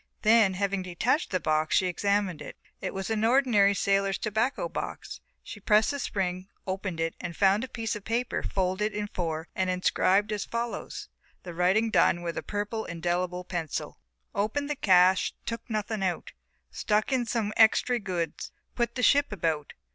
Then, having detached the box, she examined it. It was an ordinary sailor's tobacco box, she pressed the spring, opened it, and found a piece of paper folded in four and inscribed as follows, the writing done with a purple indelible pencil: Opened the cach. Took nuthing out. Stuck in som extry goods Put the ship about.